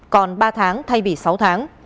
còn ba tháng thay vì sáu tháng